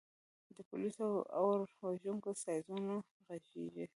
د پولیسو او اور وژونکو سایرنونه غږیږي